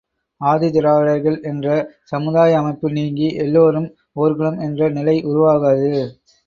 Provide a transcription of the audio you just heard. ஆதி திராவிடர்கள் என்ற சமுதாய அமைப்பு நீங்கி எல்லோரும் ஒர் குலம் என்ற நிலை உருவாகாது.